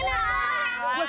nah bos yuk